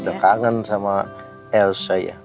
udah kangen sama elsa ya